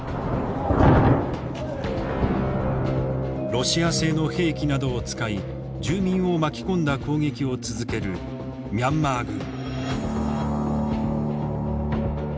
ロシア製の兵器などを使い住民を巻き込んだ攻撃を続けるミャンマー軍。